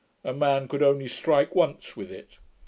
A man could only strike once with it.